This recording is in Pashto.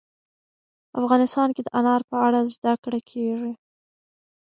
افغانستان کې د انار په اړه زده کړه کېږي.